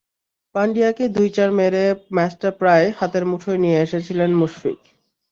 পান্ডিয়াকে দুই চার মেরে ম্যাচটা প্রায় হাতের মুঠোয় নিয়ে এসেছিলেন মুশফিক।